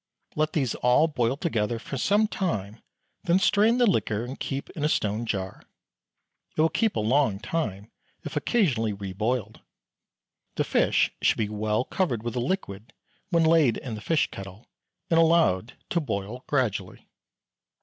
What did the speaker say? Let these all boil together for some time, then strain the liquor and keep in a stone jar. It will keep a long time if occasionally re boiled. The fish should be well covered with the liquid when laid in the fish kettle, and allowed to boil gradually.